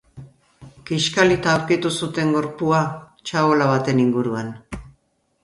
Kiskalita aurkitu zuten gorpua, txabola baten inguruan.